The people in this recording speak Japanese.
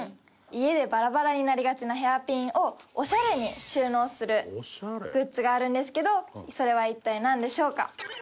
家でバラバラになりがちなヘアピンをオシャレに収納するグッズがあるんですけどそれは一体なんでしょうか？